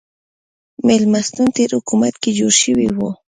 مېلمستون تېر حکومت کې جوړ شوی و.